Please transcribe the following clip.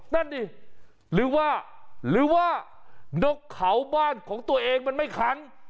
นั่นดิหรือว่าหรือว่านกเขาบ้านของตัวเองมันไม่คัน